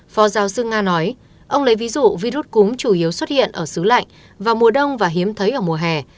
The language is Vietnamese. phó giáo sư nga nói ông lấy ví dụ virus cúm chủ yếu xuất hiện ở xứ lạnh vào mùa đông và hiếm thấy ở mùa hè